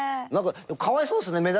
何かかわいそうですね。